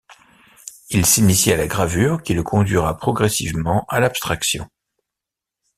Il s’initie à la gravure qui le conduira progressivement à l’abstraction.